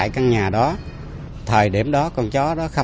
củng cố thêm nhận định